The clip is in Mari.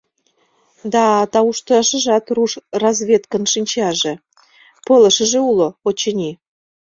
Да туштыжат руш разведкын шинчаже, пылышыже уло, очыни.